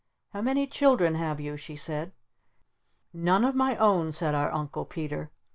"How many children have you?" she said. "None of my own," said our Uncle Peter.